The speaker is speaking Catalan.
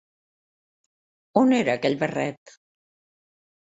On era aquell barret?